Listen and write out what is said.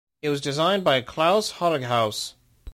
It was designed by Klaus Holighaus.